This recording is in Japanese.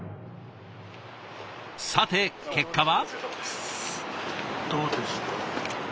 さて結果は？